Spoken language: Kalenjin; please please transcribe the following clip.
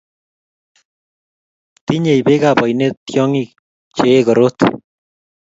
tinyei beek ab oinet tyong'k che ee koroti